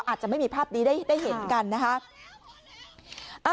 อาจจะไม่มีภาพนี้ได้เห็นกันนะคะ